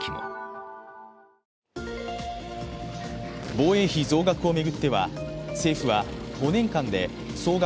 防衛費増額を巡っては、政府は５年間で総額